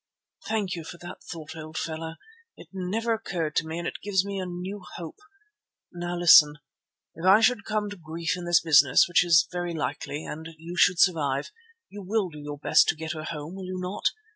"Thank you for that thought, old fellow. It never occurred to me and it gives me new hope. Now listen! If I should come to grief in this business, which is very likely, and you should survive, you will do your best to get her home; will you not?